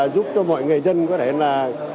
giúp cho mọi người dân có thể là